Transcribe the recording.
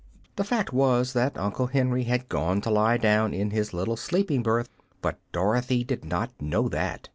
The fact was that Uncle Henry had gone to lie down in his little sleeping berth, but Dorothy did not know that.